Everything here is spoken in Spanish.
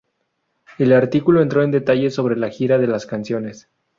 El artículo entró en detalles sobre la gira de las canciones.